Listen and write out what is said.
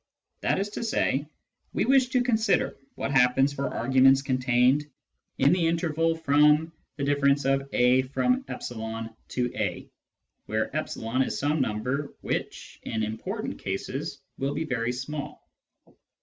That is to say, we wish to consider what happens for arguments contained in the interval from a— e to a, where e is some number which, in important cases, will be very small.